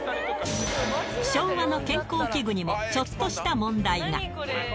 昭和の健康器具にも、ちょっとした問題が。